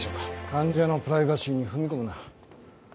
患者のプライバシーに踏み込むな。